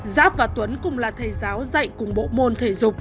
giáp và tuấn cùng là thầy giáo dạy cùng bộ môn thể dục